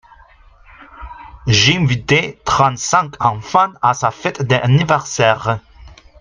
J'ai invité trente cinq enfants à sa fête d'anniversaire.